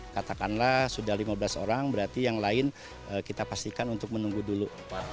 katakanlah sudah lima belas orang berarti yang lain kita pastikan untuk menunggu dulu